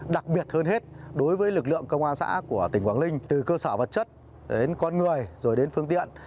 đặc biệt hơn hết đối với lực lượng công an xã của tỉnh quảng ninh từ cơ sở vật chất đến con người rồi đến phương tiện